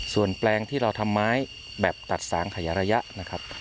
ส่วนแปลงที่เราทำไม้แบบตัดสางขยะระยะนะครับ